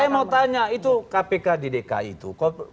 saya mau tanya itu kpk di dki itu